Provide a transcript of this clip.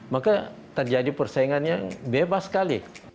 maka terjadi persaingan yang bebas sekali